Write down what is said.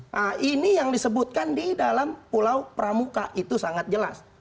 nah ini yang disebutkan di dalam pulau pramuka itu sangat jelas